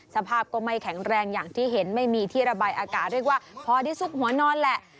สภาพก็ไม่แข็งแรงอย่างที่เห็นไม่มีที่ระบายอากาศเรียกว่าพอได้ซุกหัวนอนแหละ